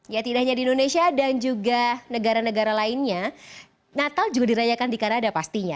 ya tidak hanya di indonesia dan juga negara negara lainnya natal juga dirayakan di kanada pastinya